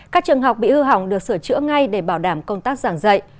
các trường học bị hư hỏng được sửa chữa ngay để bảo đảm công tác giảng dạy